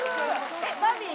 えっバービー。